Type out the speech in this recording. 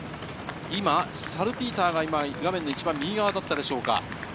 今、サルピーターが画面の一番右側だったでしょうか。